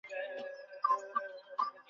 আমি চুপ করেই আছি!